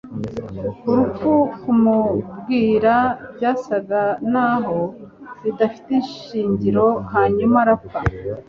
Urupfu kumubwira byasaga naho bidafite ishingiro Hanyuma arapfa